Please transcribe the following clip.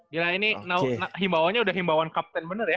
gila ini himbaonnya udah himbaon kapten bener ya